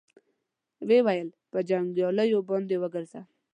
ويې ويل: په جنګياليو باندې وګرځه.